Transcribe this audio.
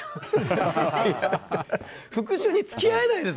復讐に付き合えないです